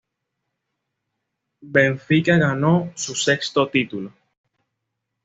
Benfica ganó su sexto título.